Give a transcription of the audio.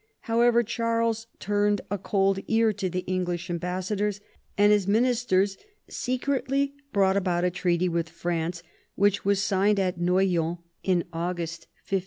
However, Charles turned a cold ear to the English ambassadors, and his ministers secretly brought about a treaty with France, which was signed at Noyon in August 1616.